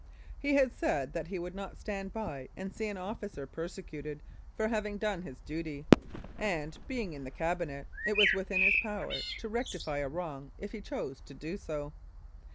He had said that he would not stand by and see an officer persecuted for having done his duty, and, being in the Cabinet, it was within his power to rectify a wrong if he chose to do so.